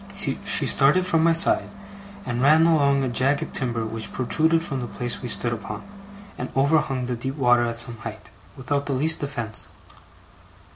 She started from my side, and ran along a jagged timber which protruded from the place we stood upon, and overhung the deep water at some height, without the least defence.